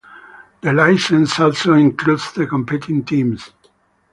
The license also includes the competing teams.